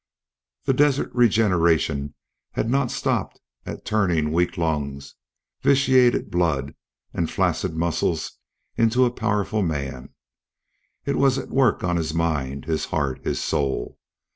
The desert regeneration had not stopped at turning weak lungs, vitiated blood, and flaccid muscles into a powerful man; it was at work on his mind, his heart, his soul.